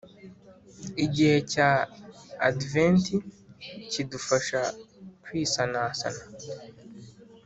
igihe cya adventi kidufasha kwisanasana